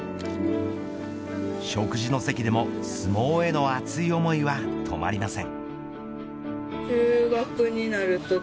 食事の席でも相撲への熱い思いは止まりません。